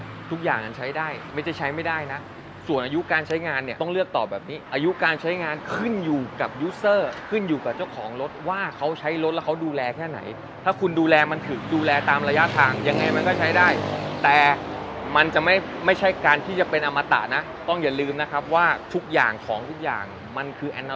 ทุกอย่างมันใช้ได้ไม่ใช่ใช้ไม่ได้นะส่วนอายุการใช้งานเนี่ยต้องเลือกตอบแบบนี้อายุการใช้งานขึ้นอยู่กับยูเซอร์ขึ้นอยู่กับเจ้าของรถว่าเขาใช้รถแล้วเขาดูแลแค่ไหนถ้าคุณดูแลมันถึงดูแลตามระยะทางยังไงมันก็ใช้ได้แต่มันจะไม่ใช่การที่จะเป็นอมตะนะต้องอย่าลืมนะครับว่าทุกอย่างของทุกอย่างมันคือแอน